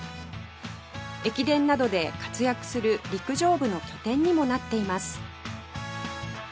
駅伝などで活躍する陸上部の拠点にもなっています